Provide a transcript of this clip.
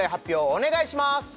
お願いします！